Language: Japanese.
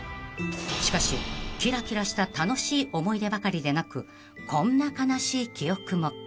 ［しかしキラキラした楽しい思い出ばかりでなくこんな悲しい記憶も］